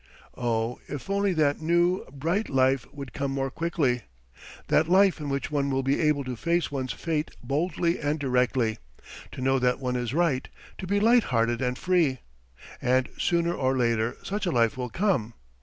Oh, if only that new, bright life would come more quickly that life in which one will be able to face one's fate boldly and directly, to know that one is right, to be light hearted and free! And sooner or later such a life will come.